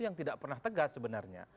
yang tidak pernah tegas sebenarnya